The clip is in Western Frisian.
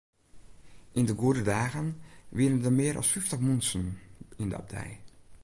Yn de goede dagen wiene der mear as fyftich muontsen yn de abdij.